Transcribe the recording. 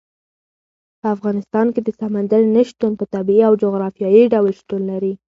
په افغانستان کې د سمندر نه شتون په طبیعي او جغرافیایي ډول شتون لري.